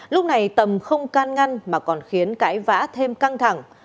lúc này tầm không can ngăn mà còn khiến cãi vã thêm căng thẳng